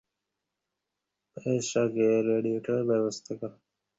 বেশ, আগে রেডিয়োটার ব্যবস্থা করো।